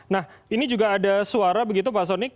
nah ini juga ada suara begitu pak soni